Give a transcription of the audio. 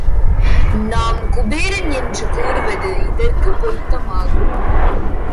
நாம் குபேரன் என்று கூறுவது இதற்குப் பொருத்தமாகும்.